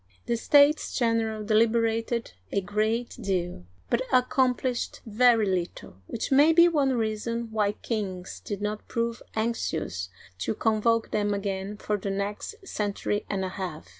The States General deliberated a great deal, but accomplished very little, which may be one reason why kings did not prove anxious to convoke them again for the next century and a half.